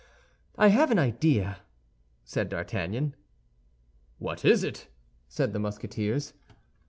"I have an idea," said D'Artagnan. "What is it?" said the Musketeers.